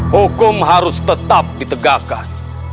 hukum harus tetap ditegakkan